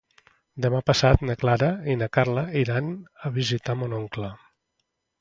Demà passat na Clara i na Carla iran a visitar mon oncle.